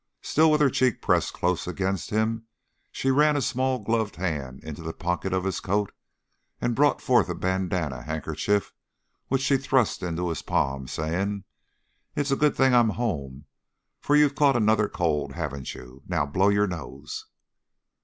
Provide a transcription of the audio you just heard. Still with her cheek pressed close against him, she ran a small gloved hand into the pocket of his coat and brought forth a bandana handkerchief which she thrust into his palm, saying: "It's a good thing I'm home, for you've caught another cold, haven't you? Now blow your nose."